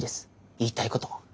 言いたいこと。